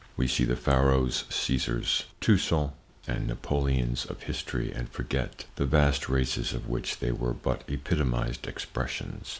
We see the Pharaohs, Caesars, Toussaints and Napoleons of history and forget the vast races of which they were but epitomized expressions.